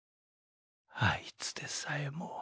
あいつでさえも。